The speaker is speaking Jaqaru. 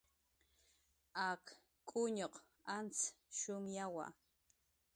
Ak k'uñuq antz shumyawa